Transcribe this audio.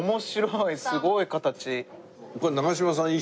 すごい形。